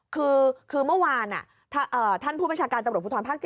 คือเมื่อวานท่านผู้บัญชาการตำรวจภูทรภาค๗